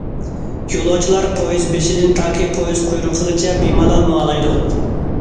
يولۇچىلار پويىز بېشىدىن تاكى پويىز قۇيرۇقىغىچە بىمالال ماڭالايدۇ.